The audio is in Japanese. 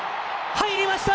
入りました。